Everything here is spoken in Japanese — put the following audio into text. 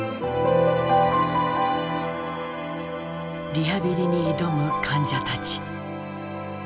リハビリに挑む患者たち。